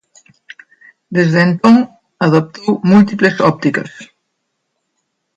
Desde entón, adoptou múltiples ópticas.